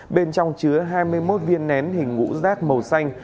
bên trong chứa hai mươi một viên nén hình ngũ rác màu xanh